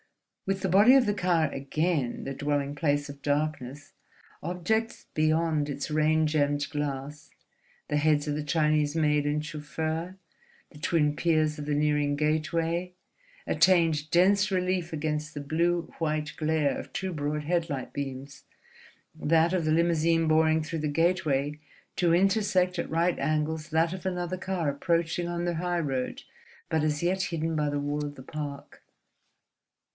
With the body of the car again the dwelling place of darkness, objects beyond its rain gemmed glass—the heads of the Chinese maid and chauffeur, the twin piers of the nearing gateway—attained dense relief against the blue white glare of two broad headlight beams, that of the limousine boring through the gateway to intersect at right angles that of another car approaching on the highroad but as yet hidden by the wall of the park.